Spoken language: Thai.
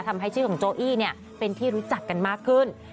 ทำให้ชื่อของโจอี้เป็นที่รู้จักกันมากขึ้น